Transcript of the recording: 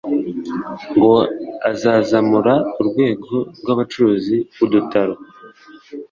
ngo azazamura urwego rw’abacuruza udutaro